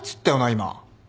今。